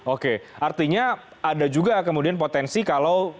oke artinya ada juga kemudian potensi kalau